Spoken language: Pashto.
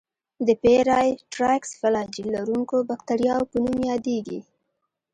د پېرایټرایکس فلاجیل لرونکو باکتریاوو په نوم یادیږي.